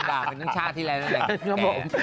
ผันบาปเป็นทั้งชาติที่แล้วยก็ได้